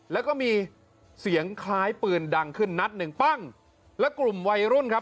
แล้วก็มีเสียงคล้ายปืนดังขึ้นนัดหนึ่งปั้งแล้วกลุ่มวัยรุ่นครับ